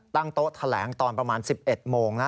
โต๊ะแถลงตอนประมาณ๑๑โมงนะ